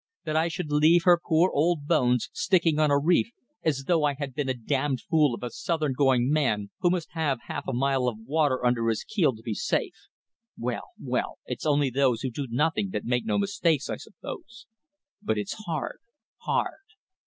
That I should leave her poor old bones sticking on a reef as though I had been a damned fool of a southern going man who must have half a mile of water under his keel to be safe! Well! well! It's only those who do nothing that make no mistakes, I suppose. But it's hard. Hard."